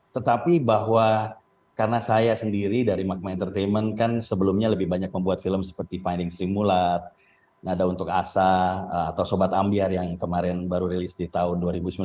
tetapi bahwa karena saya sendiri dari magma entertainment kan sebelumnya lebih banyak membuat film seperti finding sri mulat nada untuk asa atau sobat ambiar yang kemarin baru rilis di tahun dua ribu sembilan belas